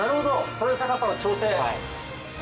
それで高さを調整。